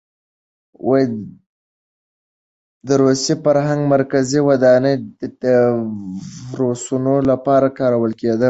د روسي فرهنګي مرکز ودانۍ د بورسونو لپاره کارول کېده.